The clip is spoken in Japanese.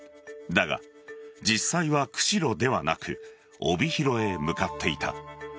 だが、実際は釧路ではなく帯広へ向かっていた。